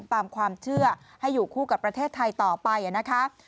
ตามความเชื่อให้อยู่คู่กับประเทศไทยต่อไปนะคะ